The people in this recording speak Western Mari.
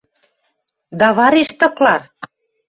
Давариш тыклар!